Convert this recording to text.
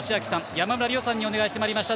山村亮さんにお願いしてまいりました。